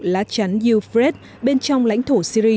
lá chắn yufret bên trong lãnh thổ syri